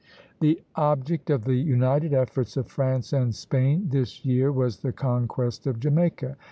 The object of the united efforts of France and Spain this year was the conquest of Jamaica.